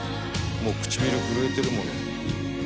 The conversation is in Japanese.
もう唇震えてるもんね」